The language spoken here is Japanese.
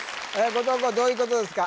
後藤弘どういうことですか？